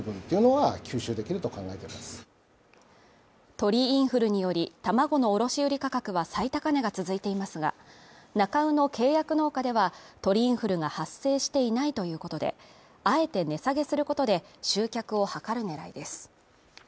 鳥インフルにより、卵の卸売価格は最高値が続いていますが、なか卯の契約農家では、鳥インフルが発生していないということで、あえて値下げすることで集客を図る狙いです。